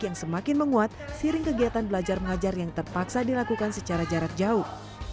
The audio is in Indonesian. yang semakin menguat siring kegiatan belajar mengajar yang terpaksa dilakukan secara jarak jauh